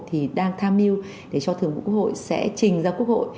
thì đang tham mưu để cho thường vụ quốc hội sẽ trình ra quốc hội